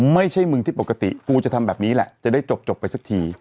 ไม่ใช่มึงที่ปกติกูจะทำแบบนี้แหละจะได้จบไปสักที